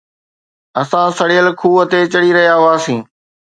اسان سڙيل کوهه تي چڙهي رهيا هئاسين